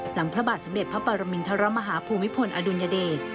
พระบาทสมเด็จพระปรมินทรมาฮาภูมิพลอดุลยเดช